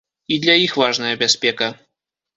І для іх важная бяспека.